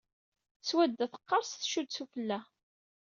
Swadda teqqers, tcudd sufella.